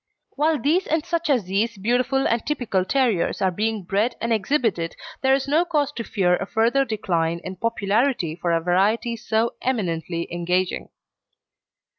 While these and such as these beautiful and typical terriers are being bred and exhibited there is no cause to fear a further decline in popularity for a variety so eminently engaging.